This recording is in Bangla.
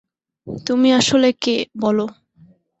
তুমি আসলে কে, বলো।